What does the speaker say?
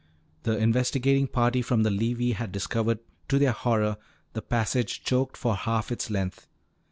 The investigating party from the levee had discovered, to their horror, the passage choked for half its length.